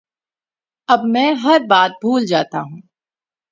اب میں ہر بات بھول جاتا ہوں